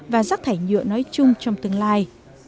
và rác thải nhựa nói chung trong tương lai